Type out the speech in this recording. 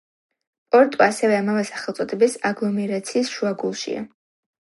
პორტუ ასევე ამავე სახელწოდების აგლომერაციის შუაგულშია.